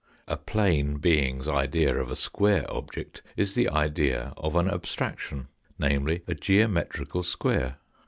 A plane being's idea of a square object is the idea of an abstraction, namely, a geometrical square.